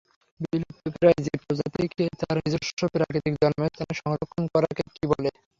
বিলুপ্তপ্রায় জীব প্রজাতিকে তার নিজস্ব প্রাকৃতিক জন্মস্থানে সংরক্ষণ করাকে কি বলে?